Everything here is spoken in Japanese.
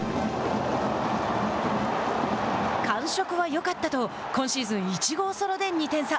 感触はよかったと今シーズン１号ソロで２点差。